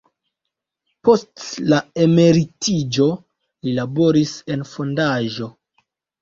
Post la emeritiĝo li laboris en fondaĵo.